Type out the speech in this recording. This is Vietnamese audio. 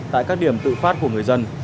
tại các điểm tự phát của người dân